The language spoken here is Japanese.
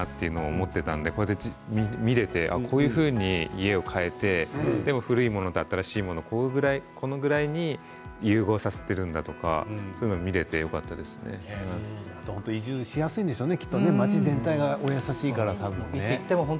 思っていたので見られてこういうふうに家を変えてでも古いものと新しいものをこのぐらいに融合させているんだとか、そういうのが移住しやすいんでしょうね